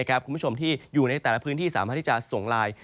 คุณผู้ชมที่อยู่ในแต่ละพื้นที่สามารถที่จะส่งไลน์